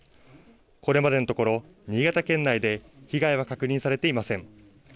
これまでのところ、新潟県内で被害は確認されていません。